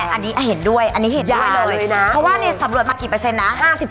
อันนี้เห็นด้วยอันนี้เห็นได้เลยนะเพราะว่าเนี่ยสำรวจมากี่เปอร์เซ็นต์นะ